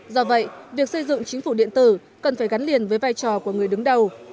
do vậy việc xây dựng chính phủ điện tử cần phải gắn liền với vai trò của người đứng đầu